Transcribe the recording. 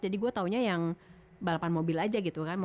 jadi gue tahunya yang balapan mobil aja gitu kan